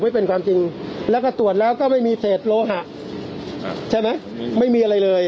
ไม่เป็นความจริงแล้วก็ตรวจแล้วก็ไม่มีเศษโลหะใช่ไหมไม่มีอะไรเลย